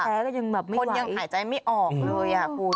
แท้ก็ยังแบบไม่ไหวคนยังหายใจไม่ออกเลยอ่ะคุณ